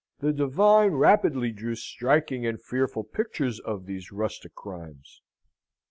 The divine rapidly drew striking and fearful pictures of these rustic crimes.